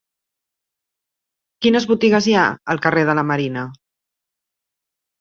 Quines botigues hi ha al carrer de la Marina?